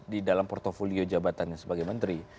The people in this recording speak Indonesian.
di dalam portfolio jabatannya sebagai menteri